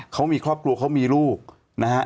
เขามีครอบครัวเขามีลูกนะฮะ